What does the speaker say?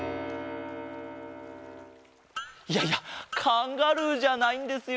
いやいやカンガルーじゃないんですよ